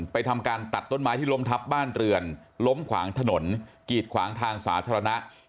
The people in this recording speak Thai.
ทำการตัดต้นไม้ที่ล้มทับบ้านเรือนล้มขวางถนนกีดขวางทางสาธารณะ